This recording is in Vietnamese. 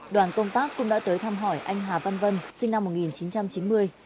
đoàn công tác cũng đã tới thăm hỏi anh hà văn vân sinh năm một nghìn chín trăm chín mươi